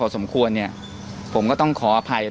สวัสดีครับคุณผู้ชม